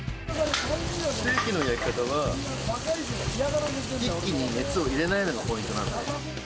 ステーキの焼き方は、一気に熱を入れないのがポイントなんだよね。